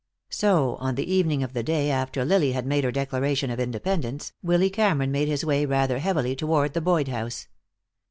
So, on the evening of the day after Lily had made her declaration of independence, Willy Cameron made his way rather heavily toward the Boyd house.